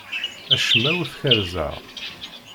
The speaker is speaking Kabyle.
Acemma ur t-kerrzeɣ.